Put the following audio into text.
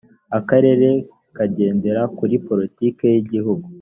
akarere kagendera kuri politiki yigihugu.